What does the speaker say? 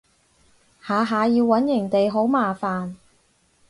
下下要搵營地好麻煩